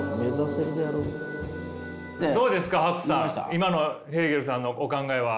今のヘーゲルさんのお考えは？